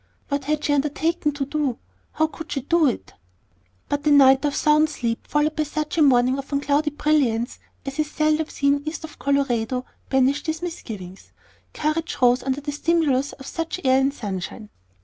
What had she undertaken to do? How could she do it? But a night of sound sleep followed by such a morning of unclouded brilliance as is seldom seen east of Colorado banished these misgivings. Courage rose under the stimulus of such air and sunshine.